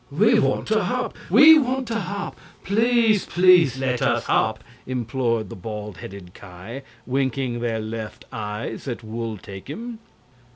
"We want to hop! We want to hop! Please PLEASE let us hop!" implored the bald headed Ki, winking their left eyes at Wul Takim.